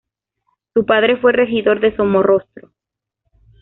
Su padre fue regidor de Somorrostro.